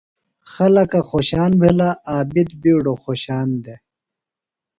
خلکہ خوشان بِھلہ۔ عابد بِیڈُوۡ خوشان دےۡ۔